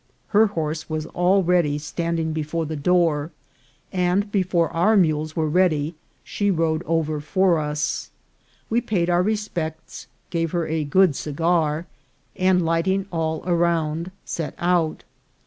Her horse was already standing before the door, and before our mules were ready she rode over for us. We. paid our respects, gave her a good cigar, and, lighting all around, set out.